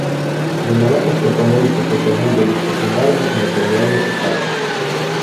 Вінаватых прапануецца прыцягнуць да дысцыплінарнай і матэрыяльнай адказнасці.